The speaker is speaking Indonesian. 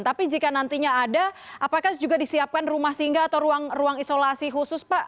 tapi jika nantinya ada apakah juga disiapkan rumah singgah atau ruang isolasi khusus pak